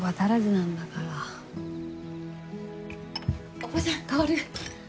おばちゃん代わる！